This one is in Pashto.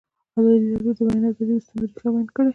ازادي راډیو د د بیان آزادي د ستونزو رېښه بیان کړې.